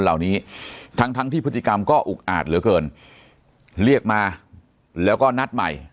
เหล่านี้ทั้งทั้งที่พฤติกรรมก็อุกอาจเหลือเกินเรียกมาแล้วก็นัดใหม่